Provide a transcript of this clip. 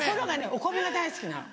お米が大好きなの。